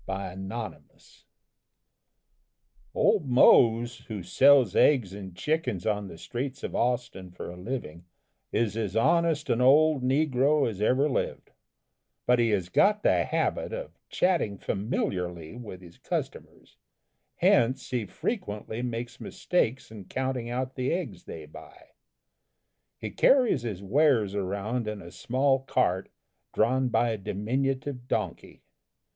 _ Old Mose, who sells eggs and chickens on the streets of Austin for a living, is as honest an old negro as ever lived; but he has got the habit of chatting familiarly with his customers, hence he frequently makes mistakes in counting out the eggs they buy. He carries his wares around in a small cart drawn by a diminutive donkey.